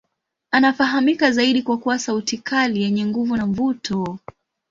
Anafahamika zaidi kwa kuwa sauti kali yenye nguvu na mvuto.